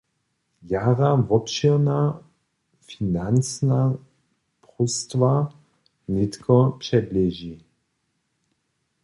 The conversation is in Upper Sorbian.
Jara wobšěrna financna próstwa nětko předleži.